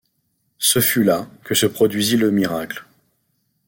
Ce fut là que se produisit le miracle.